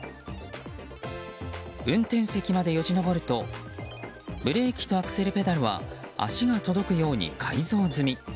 運転席までよじ登るとブレーキとアクセルペダルは足が届くように改造済み。